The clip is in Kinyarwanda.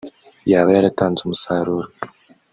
yaba yaratanze umusaruro